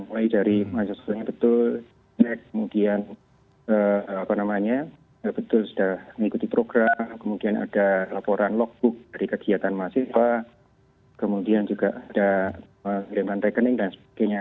mulai dari mahasiswa yang betul kemudian betul sudah mengikuti program kemudian ada laporan logbook dari kegiatan mahasiswa kemudian juga ada pengiriman rekening dan sebagainya